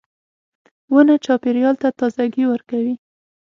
• ونه چاپېریال ته تازهګۍ ورکوي.